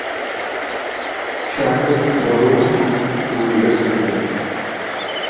Charter would follow suit two years later.